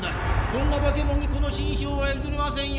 こんな化けもんにこの身上は譲りませんよ。